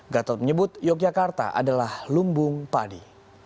gatot menyebut yogyakarta adalah lumbung padi